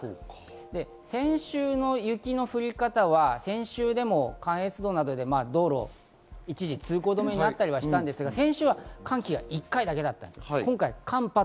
で、先週の雪の降り方は先週も関越道などで道路が一時通行止めになったりはしたんですが、先週は寒気が１回だけだった。